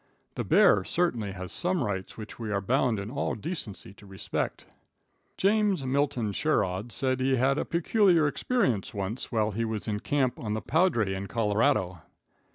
The bear certainly has some rights which we are bound in all decency to respect. James Milton Sherrod said he had a peculiar experience once while he was in camp on the Poudre in Colorado.